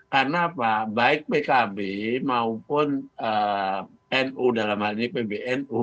karena pak baik pkb maupun nu dalam hal ini pbnu